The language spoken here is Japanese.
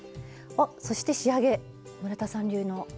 おっそして仕上げ村田さん流の。